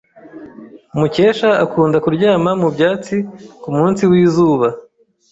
Mukesha akunda kuryama mu byatsi kumunsi wizuba.